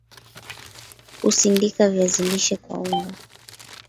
kusindika viazi lishe kuwa unga